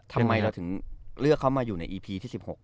ทำไมเราถึงเลือกเขามาอยู่ในอีพีที่๑๖